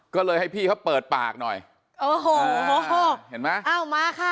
ก็เลยให้พี่เขาเปิดปากหน่อยโอ้โหเห็นไหมอ้าวมาค่ะ